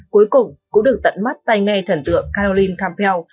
cuối cùng cũng được tận mắt tay nghe thần tượng caroline campel